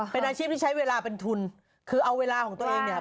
เป็นอาชีพที่ใช้เวลาเป็นทุนคือเอาเวลาของตัวเองเนี่ย